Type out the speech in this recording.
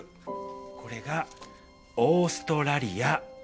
これがオーストラリア。